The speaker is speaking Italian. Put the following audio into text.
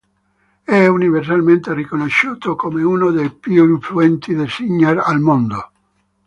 È universalmente riconosciuto come uno dei più influenti designer al mondo.